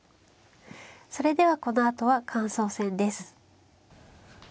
それではこのあとは感想戦です。